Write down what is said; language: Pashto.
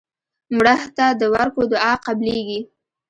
مړه ته د ورکو دعا قبلیږي